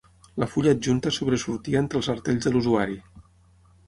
La fulla adjunta sobresortia entre els artells de l'usuari.